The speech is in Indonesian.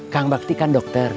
kang bakti kan dokter